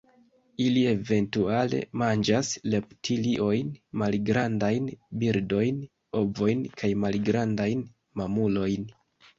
Ili eventuale manĝas reptiliojn, malgrandajn birdojn, ovojn kaj malgrandajn mamulojn.